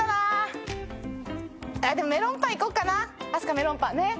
メロンパンねっ。